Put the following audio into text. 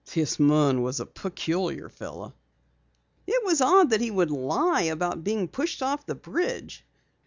This Munn was a peculiar fellow." "It was odd that he would lie about being pushed off the bridge.